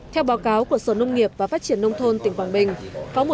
theo báo cáo của sở nông nghiệp và phát triển nông thôn tỉnh quảng bình